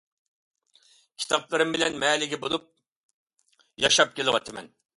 كىتابلىرىم بىلەن مەلىكە بولۇپ ياشاپ كېلىۋاتىمەن.